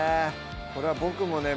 これは僕もね